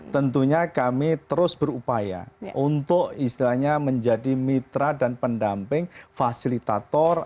tentunya kami terus berupaya untuk istilahnya menjadi mitra dan pendamping fasilitator